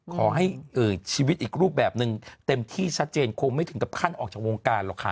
ขอให้ชีวิตอีกรูปแบบหนึ่งเต็มที่ชัดเจนคงไม่ถึงกับขั้นออกจากวงการหรอกค่ะ